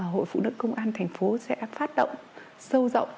hội phụ nữ công an thành phố sẽ phát động sâu rộng